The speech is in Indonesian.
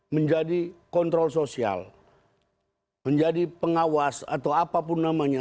menjadi kontrol sosial menjadi pengawas atau apapun namanya